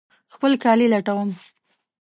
خپل کالي لټوم